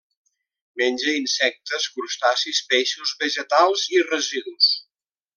Menja insectes, crustacis, peixos, vegetals i residus.